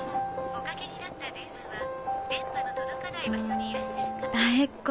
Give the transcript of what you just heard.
おかけになった電話は電波の届かない場所にいらっしゃるか。